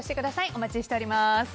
お待ちしております。